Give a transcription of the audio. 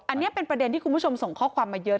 อันนี้เป็นประเด็นที่คุณผู้ชมส่งข้อความมาเยอะ